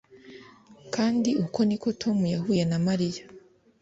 kandi uko ni ko tom yahuye na mariya